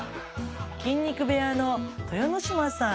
筋肉部屋の豊ノ島さん。